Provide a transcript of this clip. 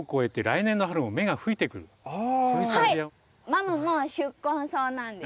マムも宿根草なんです。